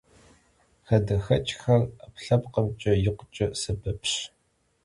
Xadexeç'xer 'epkhlhepkhımç'e yikhuç'e sebepş.